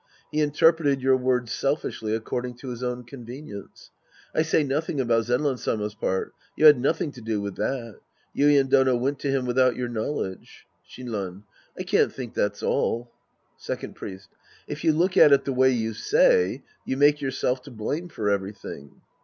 He interpreted your words selfishly accord ing to his own convenience. I say nothing about Zenran Sama's part. You had nothing to do with that. Yuien Done went to him without your know ledge. Sliinran. I can't think that's all. Second Priest. If you look at it the way you say, you make yourself to blame for everything.